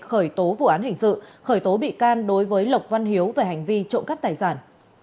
khởi tố vụ án hình sự khởi tố bị can đối với lộc văn hiếu về hành vi trộm cắp tài sản